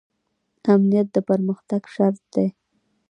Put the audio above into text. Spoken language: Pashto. امنیت د پرمختګ شرط دی